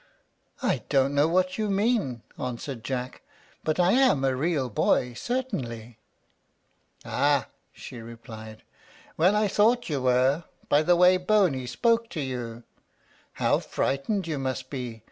"I don't know what you mean," answered Jack; "but I am a real boy, certainly." "Ah!" she replied. "Well, I thought you were, by the way Boney spoke to you. How frightened you must be!